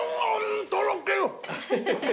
とろける。